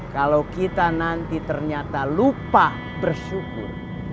kalau kita nanti ternyata lupa bersyukur